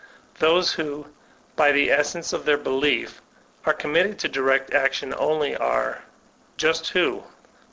Those who, by the essence of their belief, are com mitted to Direct Action only are — ^just who?